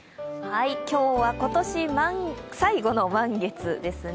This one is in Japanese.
今日は今年最後の満月ですね。